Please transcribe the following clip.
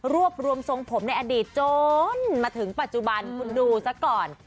รวมทรงผมในอดีตจนมาถึงปัจจุบันคุณดูซะก่อน